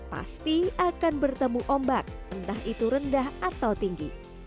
pasti akan bertemu ombak entah itu rendah atau tinggi